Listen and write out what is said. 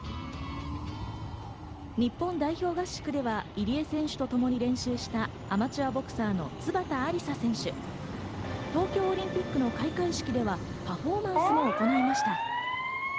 日本代表合宿では入江選手と共に練習したアマチュアボクシングの津端ありさ選手、東京オリンピックの開会式ではパフォーマンスも行いました。